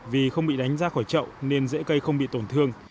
vì không bị đánh ra khỏi chậu nên dễ cây không bị tổn thương